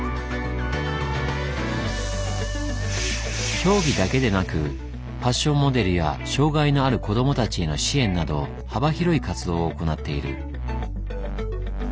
競技だけでなくファッションモデルや障害のある子供たちへの支援など幅広い活動を行っている。